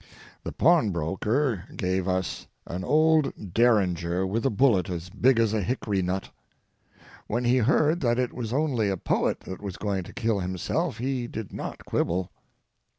The pawnbroker gave us an old derringer with a bullet as big as a hickory nut. When he heard that it was only a poet that was going to kill himself he did not quibble.